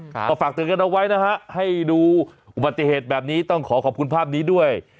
ก็ฝากเตือนกันเอาไว้นะฮะให้ดูอุบัติเหตุแบบนี้ต้องขอขอบคุณภาพนี้ด้วย